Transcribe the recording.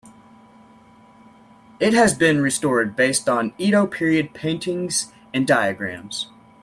It has been restored based on Edo-period paintings and diagrams.